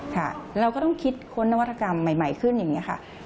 เราก็ต้องคิดค้นนวัตกรรมใหม่ขึ้นอย่างนี้ค่ะ